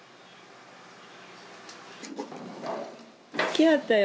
来はったよ。